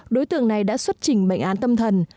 đối tượng đã xuất trình bệnh án tâm thần